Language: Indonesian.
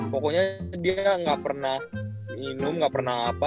pokoknya dia nggak pernah minum gak pernah apa